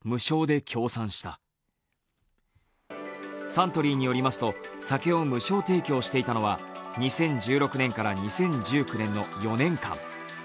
サントリーによりますと酒を無償提供していたのは２０１６年から２０１９年の４年間。